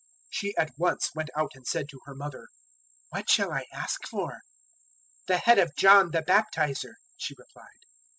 006:024 She at once went out and said to her mother: "What shall I ask for?" "The head of John the Baptizer," she replied.